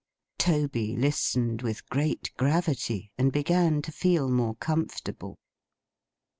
Toby listened with great gravity, and began to feel more comfortable.